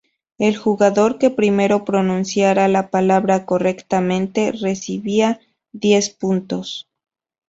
El jugador que primero pronunciara la palabra correctamente, recibía diez puntos.